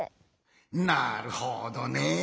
なるほどね。